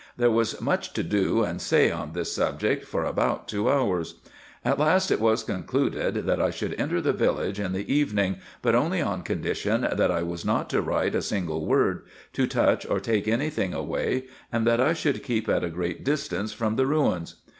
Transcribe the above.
There was much to do and say on this subject for about two hours. At last it was concluded that I should enter the village in the evening, but only on condition that I was not to write a single word ; to touch or take any thing away ; and that I should keep at a great distance from the ruins.